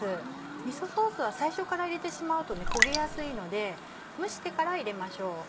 みそソースは最初から入れてしまうと焦げやすいので蒸してから入れましょう。